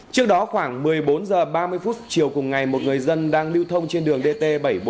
trước đó khoảng một mươi bốn h ba mươi chiều cùng ngày một người dân đang lưu thông trên đường dt bảy trăm bốn mươi